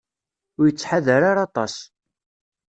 Ur yettḥadar ara aṭas.